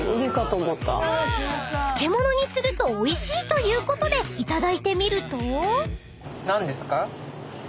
［漬物にするとおいしいということでいただいてみると］